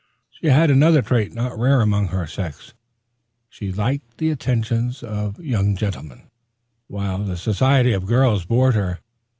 She had another trait not rare among her sex. She liked the attentions of young gentlemen, while the society of girls bored her.